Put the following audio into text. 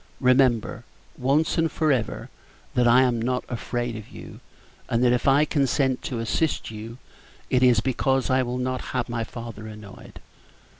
Remember, once and for ever, that I am not afraid of you; and that if I consent to assist you, it is because I will not have my father annoyed.